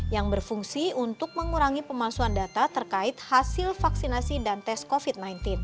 yang berfungsi untuk mengurangi pemalsuan data terkait hasil vaksinasi dan tes covid sembilan belas